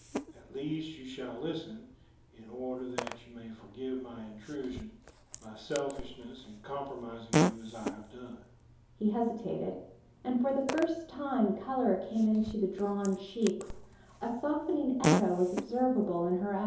At least you shall listen, in order that you may forgive my intrusion, my selfishness in compromising you as I have done." He hesitated, and for the first time color came into the drawn cheeks; a softening echo was observable in her own.